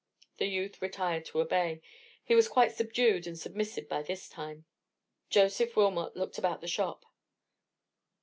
The youth retired to obey: he was quite subdued and submissive by this time. Joseph Wilmot looked about the shop.